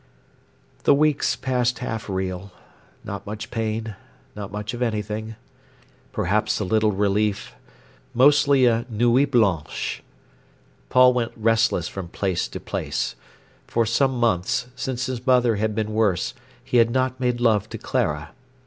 The weeks passed half real, not much pain, not much of anything, perhaps a little relief, mostly a nuit blanche. Paul went restless from place to place. For some months, since his mother had been worse, he had not made love to Clara.